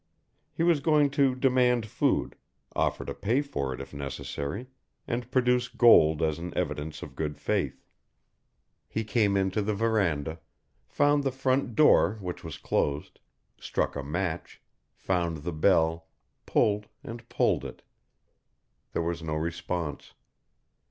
He was going to demand food, offer to pay for it if necessary, and produce gold as an evidence of good faith. He came into the verandah, found the front door which was closed, struck a match, found the bell, pulled and pulled it. There was no response.